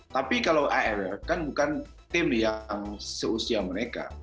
tapi kalau afr kan bukan tim yang seusia mereka